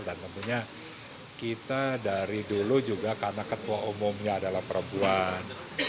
dan tentunya kita dari dulu juga karena ketua umumnya adalah perempuan